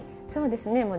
そうですね。